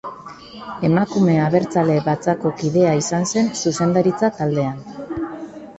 Emakume Abertzale Batzako kidea izan zen, zuzendaritza taldean.